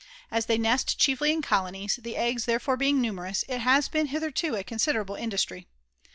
As they nest chiefly in colonies, the eggs therefore being numerous, it has been, hitherto, a considerable industry.